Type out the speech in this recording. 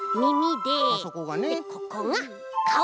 でここがかお。